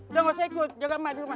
udah gak usah ikut jaga emak di rumah